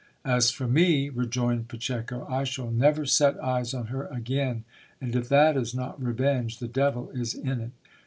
As for me, rejoined Pacheco, I shall never set eyes on her again ; and if that is not revenge, the devil is in it.